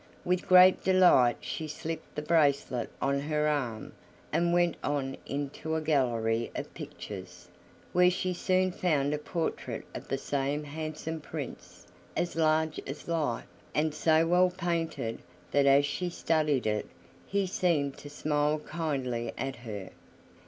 With great delight she slipped the bracelet on her arm, and went on into a gallery of pictures, where she soon found a portrait of the same handsome Prince, as large as life, and so well painted that as she studied it he seemed to smile kindly at her.